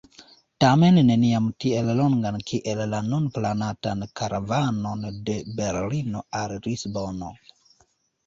Tamen neniam tiel longan kiel la nun planatan karavanon de Berlino al Lisbono.